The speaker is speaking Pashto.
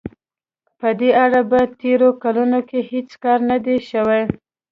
په دې اړه په تېرو کلونو کې هېڅ کار نه دی شوی.